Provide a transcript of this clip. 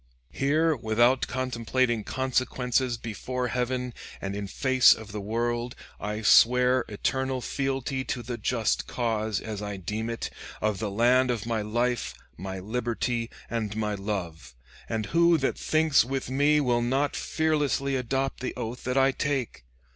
Here, without contemplating consequences, before Heaven, and in face of the world, I swear eternal fealty to the just cause, as I deem it, of the land of my life, my liberty, and my love. And who that thinks with me will not fearlessly adopt that oath that I take?